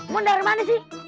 mau dari mana sih